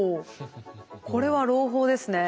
これは朗報ですね。